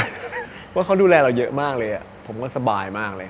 เพราะเขาดูแลเราเยอะมากเลยผมก็สบายมากเลย